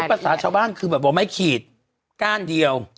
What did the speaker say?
ภาษาชาวบ้านคือแบบว่าไม่ขีดก้านเดียว